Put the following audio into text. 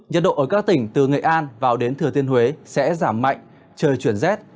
nhật độ ở các tỉnh từ nghệ an vào đến thừa tiên huế sẽ giảm mạnh trời chuyển rét